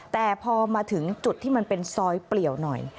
แต่พอมาถึงจุดที่มันเป็นซอยเปลี่ยวหน่อย